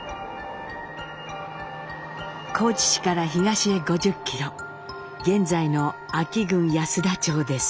高知市から東へ５０キロ現在の安芸郡安田町です。